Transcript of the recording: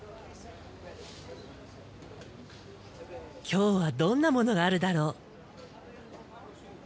今日はどんなものがあるだろう。